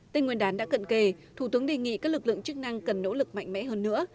tên nguyên đán đã cận kề thủ tướng đề nghị các lực lượng chức năng cần nỗ lực mạnh mẽ hơn nữa